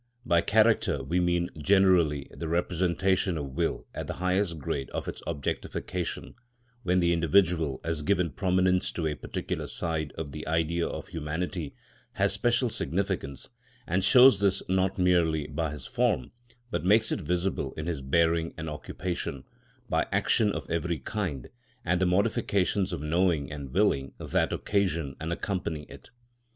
By character we mean generally, the representation of will at the highest grade of its objectification, when the individual, as giving prominence to a particular side of the Idea of humanity, has special significance, and shows this not merely by his form, but makes it visible in his bearing and occupation, by action of every kind, and the modifications of knowing and willing that occasion and accompany it.